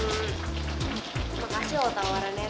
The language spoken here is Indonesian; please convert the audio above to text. makasih loh tawarannya